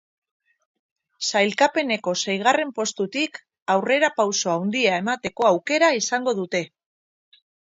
Sailkapeneko seigarren postutik aurrerapauso handia emateko aukera izango dute.